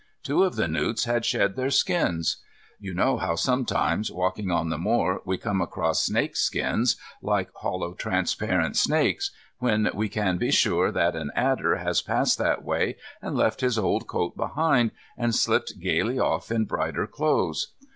Two of the newts had shed their skins. You know how sometimes, walking on the moor, we come across snakeskins, like hollow transparent snakes, when we can be sure that an adder has passed that way and left his old coat behind, and slipped gaily off in brighter clothes.